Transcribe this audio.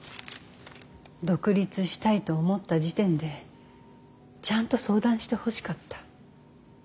独立したいと思った時点でちゃんと相談してほしかった。